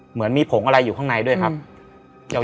เหมือนมีผงอะไรอยู่ข้างในด้วยครับ